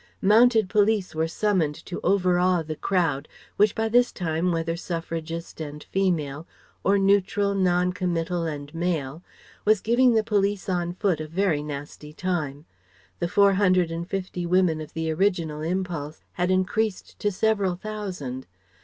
Mounted police were summoned to overawe the crowd, which by this time whether suffragist and female, or neutral, non committal and male, was giving the police on foot a very nasty time. The four hundred and fifty women of the original impulse had increased to several thousand.